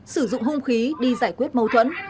sử dụng hung khí đi giải quyết mâu thuẫn